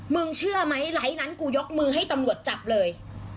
เชื่อไหมไลค์นั้นกูยกมือให้ตำรวจจับเลย